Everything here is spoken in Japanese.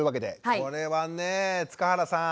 これはね塚原さん。